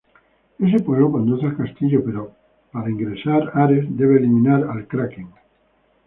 Ese pueblo conduce al castillo, pero para ingresar, Ares debe eliminar al Kraken.